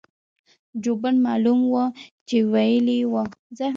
جوبن معلوم وو چې وييلي يې وو-